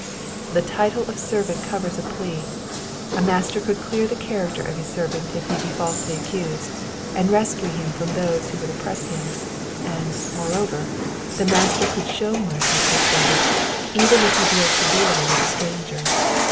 The title of servant covers a plea ; a master should clear the character of his servant if he be falsely accused, and rescue him from those who would oppress him ; and, moreover, the master should show mercy to a servant^ even if he deal severely with a stranger.